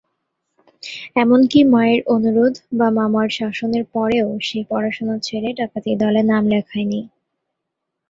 এমনকি মায়ের অনুরোধ বা মামার শাসনের পরেও সে পড়াশুনো ছেড়ে ডাকাতির দলে নাম লেখায়নি।